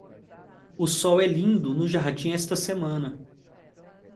O sol é lindo no jardim esta semana.